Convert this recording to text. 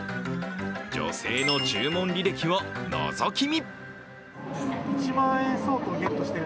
女性の注文履歴をのぞき見！